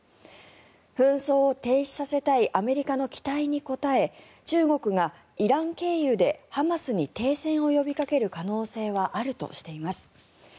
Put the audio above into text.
紛争を停止させたいアメリカの期待に応え中国がイラン経由でハマスに停戦を呼びかける可能性はあるとしています。